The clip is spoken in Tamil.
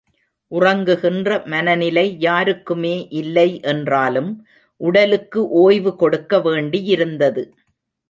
உறங்குகின்ற மனநிலை யாருக்குமே இல்லை என்றாலும் உடலுக்கு ஓய்வு கொடுக்க வேண்டியிருந்தது.